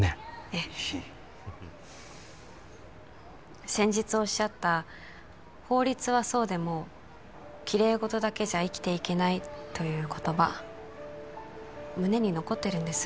ええ先日おっしゃった法律はそうでもきれい事だけじゃ生きていけないという言葉胸に残ってるんです